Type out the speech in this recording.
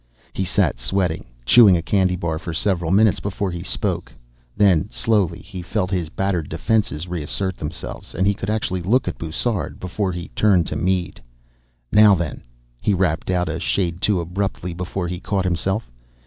He sat sweating, chewing a candy bar, for several minutes before he spoke. Then, slowly, he felt his battered defenses reassert themselves, and he could actually look at Bussard, before he turned to Mead. "Now, then," he rapped out a shade too abruptly before he caught himself.